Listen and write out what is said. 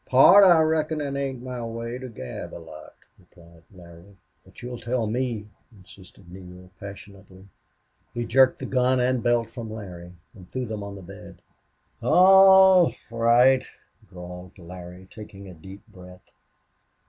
"Pard, I reckon it ain't my way to gab a lot," replied Larry. "But you'll tell ME," insisted Neale, passionately. He jerked the gun and belt from Larry, and threw them on the bed. "All right," drawled Larry, taking a deep breath.